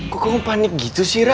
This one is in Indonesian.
kok kamu panik gitu sih ra